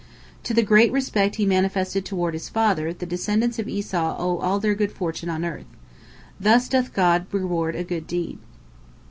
To the great respect he manifested toward his father, the descendants of Esau owe all their good fortune on earth. Thus doth God reward a good deed.